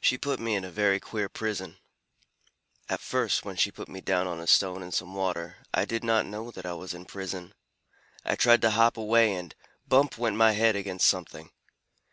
"She put me in a very queer prison. At first, when she put me down on a stone in some water, I did not know that I was in prison. I tried to hop away, and bump! went my head against something.